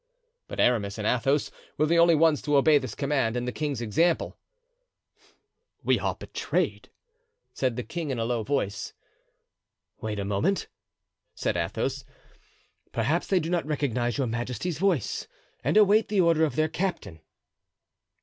But Aramis and Athos were the only ones to obey this command and the king's example. "We are betrayed," said the king in a low voice. "Wait a moment," said Athos, "perhaps they do not recognize your majesty's voice, and await the order of their captain."